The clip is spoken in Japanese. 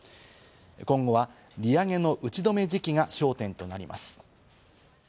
今後は利上げの打ち止め時期が焦点となります。